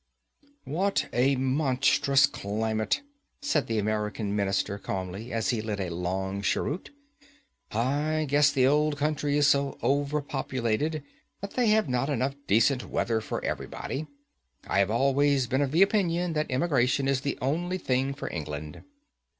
"What a monstrous climate!" said the American Minister, calmly, as he lit a long cheroot. "I guess the old country is so overpopulated that they have not enough decent weather for everybody. I have always been of opinion that emigration is the only thing for England."